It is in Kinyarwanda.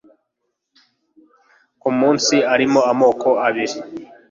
ku munsi arimo amoko abiri